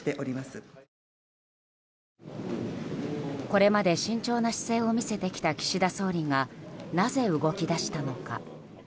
これまで、慎重な姿勢を見せてきた岸田総理がなぜ動き出したのか。